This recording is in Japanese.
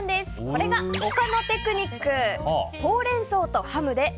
これが岡野テクニック。